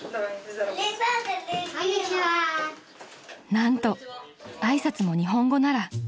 ［何と挨拶も日本語なら］